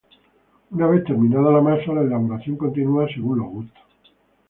Una vez terminada la masa, la elaboración continúa según los gustos.